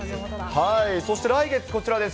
そして来月、こちらです。